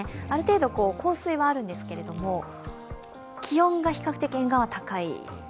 ある程度、降水はあるんですけれども、気温が比較的沿岸は高い。